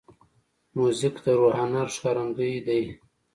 موزیک د روحانه ښکارندوی دی.